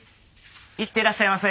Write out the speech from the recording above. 行ってらっしゃいませ。